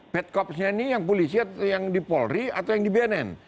bad copsnya ini yang polisi atau yang di polri atau yang di bnn